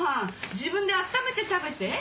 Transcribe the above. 自分であっためて食べて。